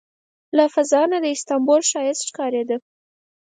له فضا نه د استانبول ښایست ښکارېده.